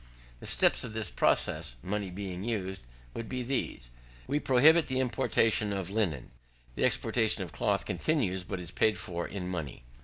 The steps of the process, money being used, would be these: We prohibit the importation of linen. The exportation of cloth continues, but is paid for in money.